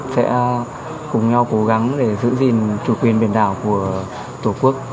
sẽ cùng nhau cố gắng để giữ gìn chủ quyền biển đảo của tổ quốc